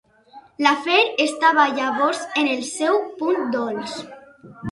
L'afer estava llavors en el seu punt dolç.